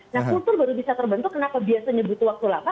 nah kultur baru bisa terbentuk kenapa biasanya butuh waktu lama